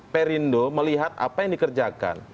perindo melihat apa yang dikerjakan